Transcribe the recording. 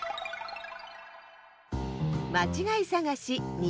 まちがいさがし２